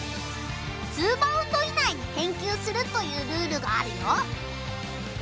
２バウンド以内に返球するというルールがあるよ。